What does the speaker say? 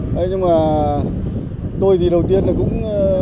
thế nhưng mà tôi thì đầu tiên là cũng